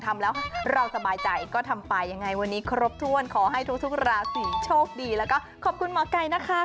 ทำแล้วเราสบายใจก็ทำไปยังไงวันนี้ครบถ้วนขอให้ทุกราศีโชคดีแล้วก็ขอบคุณหมอไก่นะคะ